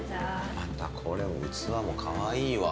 またこれ、器も可愛いわ。